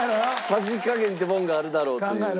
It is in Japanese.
「さじ加減ってもんがあるだろ」という。